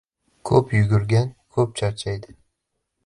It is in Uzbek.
• Ko‘p yugurgan ko‘p charchaydi.